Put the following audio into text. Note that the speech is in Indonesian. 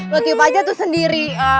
lo tiup aja tuh sendiri